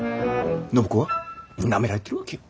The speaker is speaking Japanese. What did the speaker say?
暢子はなめられてるわけよ。